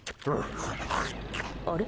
あれ？